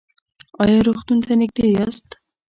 ایا روغتون ته نږدې یاست؟